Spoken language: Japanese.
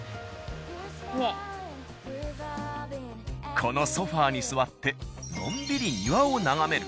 このソファに座ってのんびり庭を眺める。